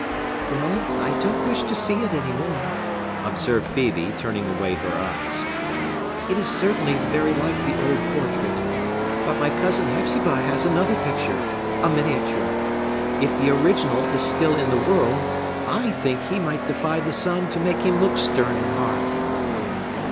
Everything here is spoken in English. "Well, I don't wish to see it any more," observed Phœbe, turning away her eyes. "It is certainly very like the old portrait. But my cousin Hepzibah has another picture,—a miniature. If the original is still in the world, I think he might defy the sun to make him look stern and hard."